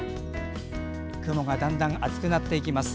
雲がだんだん厚くなってきます。